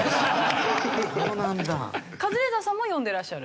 カズレーザーさんも読んでらっしゃる？